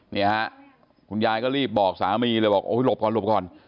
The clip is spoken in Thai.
เนี่ยฮะคุณยายก็รีบบอกสามีเลยบอกโอ้ยหลบก่อนหลบก่อน